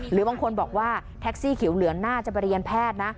หรือบางคนบอกว่าแท็กซี่เขียวเหลืองน่าจะไปเรียนแพทย์นะ